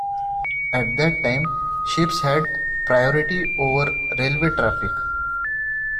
At that time ships had priority over railway traffic.